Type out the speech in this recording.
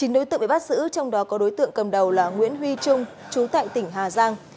chín đối tượng bị bắt giữ trong đó có đối tượng cầm đầu là nguyễn huy trung chú tại tỉnh hà giang